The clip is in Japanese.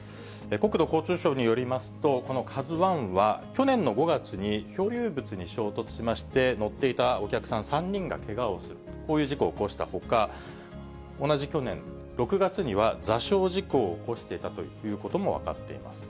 国土交通省によりますと、このカズワンは、去年の５月に漂流物に衝突しまして、乗っていたお客さん３人がけがをした、こういう事故を起こしたほか、同じ去年６月には、座礁事故を起こしていたということも分かっています。